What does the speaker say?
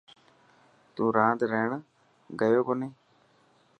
تون راند رهڻ گيو ڪوني؟